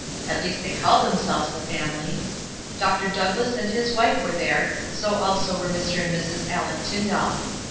At least they called them selves the family. Dr. Douglass and his wife were there ; so also were Mr. and Mrs. Aleck Tyndall.